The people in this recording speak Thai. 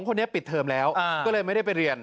คนนี้ปิดเทอมแล้วก็เลยไม่ได้ไปเรียน